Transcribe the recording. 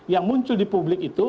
yang muncul di publik itu